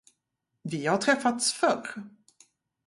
Vi har träffats förr.